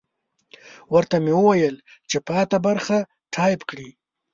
ورته مې وویل چې پاته برخه ټایپ کړي.